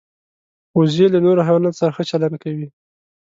وزې له نورو حیواناتو سره ښه چلند کوي